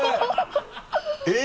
えっ！